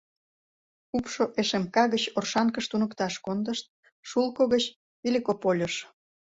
Упшо ШКМ гыч Оршанкыш туныкташ кондышт, Шулко гыч — Великопольыш.